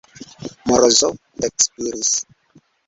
Morozov ekspiris.